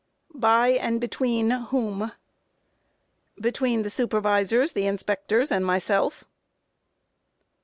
Q. By and between whom? A. Between the supervisors, the inspectors, and myself.